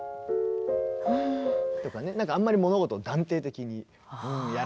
なんかあんまり物事を断定的にやらない。